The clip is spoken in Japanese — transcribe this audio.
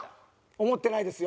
思ってないですよ。